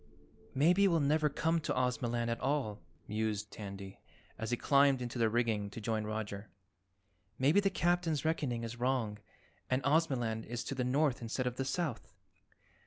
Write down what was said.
"Maybe we'll never come to Ozamaland at all," mused Tandy as he climbed into the rigging to join Roger. "Maybe the Captain's reckoning is wrong and Ozamaland is to the north instead of the south."